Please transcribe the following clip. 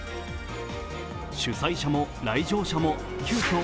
主催者も来場者も、急きょ